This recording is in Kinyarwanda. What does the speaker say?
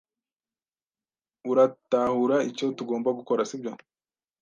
Uratahura icyo tugomba gukora, sibyo?